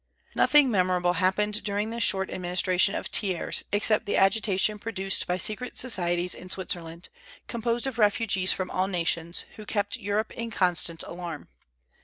Nothing memorable happened during this short administration of Thiers except the agitation produced by secret societies in Switzerland, composed of refugees from all nations, who kept Europe in constant alarm.